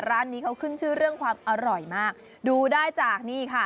ร้านนี้เขาขึ้นชื่อเรื่องความอร่อยมากดูได้จากนี่ค่ะ